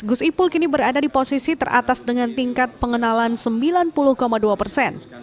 gus ipul kini berada di posisi teratas dengan tingkat pengenalan sembilan puluh dua persen